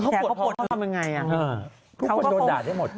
ทุกคนโดนด่าได้หมด